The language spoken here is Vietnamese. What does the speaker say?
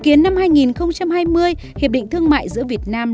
dự kiến năm hai nghìn hai mươi hiệp định thương mại giữa việt nam